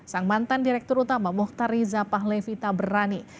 sang mantan direktur utama muhtar riza pahlevita berani